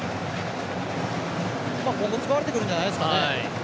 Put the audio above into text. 今後、使われてくるんじゃないですかね。